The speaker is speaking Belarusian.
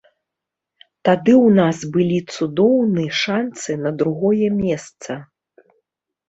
Тады ў нас былі цудоўны шанцы на другое месца.